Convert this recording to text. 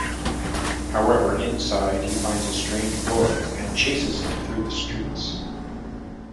However, inside he finds a strange boy, and chases him through the streets.